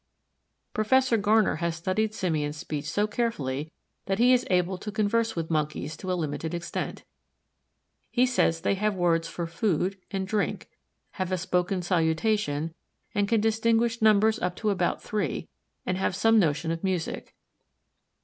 Professor Garner has studied simian speech so carefully that he is able to converse with Monkeys to a limited extent. He says they have words for "food" and "drink," have a spoken salutation, and can distinguish numbers up to about three, and have some notion of music.